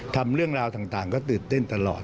ทำเรื่องราวต่างก็ตื่นเต้นตลอด